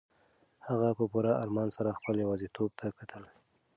هغه په پوره ارمان سره خپله یوازیتوب ته کتل.